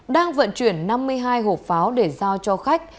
đang vận chuyển năm mươi hai hộp pháo để giao cho khách